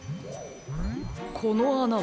このあなは？